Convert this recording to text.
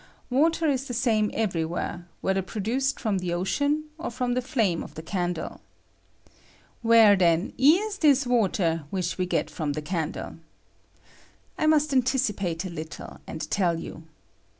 Water is the same every where, whether produced from the ocean or from the flame of the candle. Where, then, is this water which we get from a candle ? I must anticipate a little, and tell you.